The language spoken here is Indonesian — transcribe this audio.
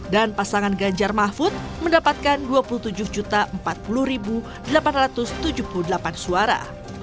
dan pasangan ganjar mahfud mendapatkan dua puluh tujuh empat puluh delapan ratus tujuh puluh delapan suara